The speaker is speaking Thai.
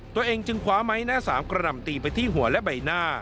ตัวเองจึงคว้าไม้หน้าสามกระหล่ำตีไปที่หัวและใบหน้า